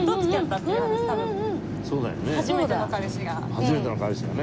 初めての彼氏がね。